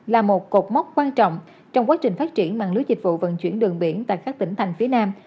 là một cột mốc quan trọng trong quá trình phát triển mạng lưới dịch vụ vận chuyển đường biển tại các tỉnh thành phía nam